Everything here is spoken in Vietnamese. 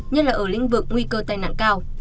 nhất là ở lĩnh vực nguy cơ tai nạn cao